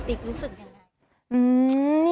ติ๊กรู้สึกยังไง